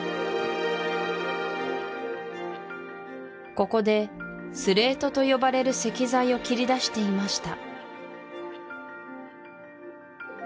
ここでスレートとよばれる石材を切り出していました